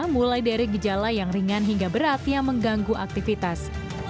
mulai dari gejala yang ringan hingga berat yang mengganggu aktivitas